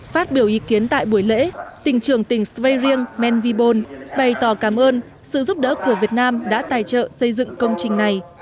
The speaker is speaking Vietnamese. phát biểu ý kiến tại buổi lễ tỉnh trưởng tỉnh sveiring men vibourne bày tỏ cảm ơn sự giúp đỡ của việt nam đã tài trợ xây dựng công trình này